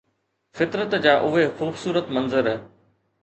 فطرت جا اهي خوبصورت منظر